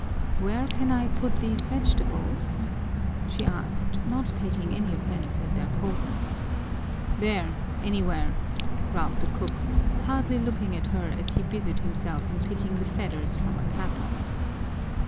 "Where can I put these vegetables?" she asked, not taking any offense at their coldness. "There, anywhere!" growled the cook, hardly looking at her as he busied himself in picking the feathers from a capon.